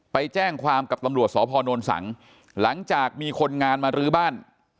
ไปแจ้งความกับตำรวจสพนสังหลังจากมีคนงานมารื้อบ้าน